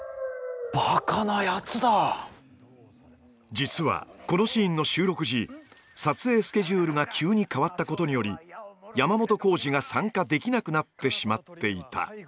実はこのシーンの収録時撮影スケジュールが急に変わったことにより山本耕史が参加できなくなってしまっていた。